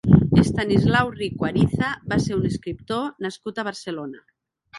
Estanislao Rico Ariza va ser un escriptor nascut a Barcelona.